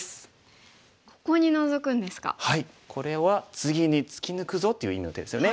これは「次に突き抜くぞ」っていう意味の手ですよね。